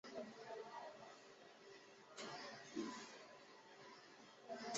王袭人。